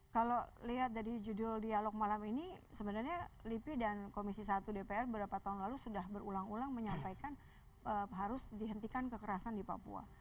kalau lihat dari judul dialog malam ini sebenarnya lipi dan komisi satu dpr beberapa tahun lalu sudah berulang ulang menyampaikan harus dihentikan kekerasan di papua